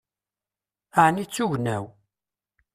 Ɛni d tugna-w?